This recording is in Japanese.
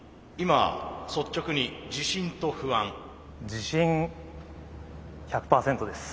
自信１００％です。